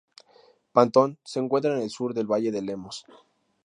Pantón se encuentra en el sur del valle de Lemos.